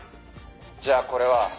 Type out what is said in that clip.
「じゃあこれは？」